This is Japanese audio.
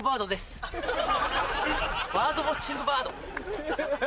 バードウオッチングバード。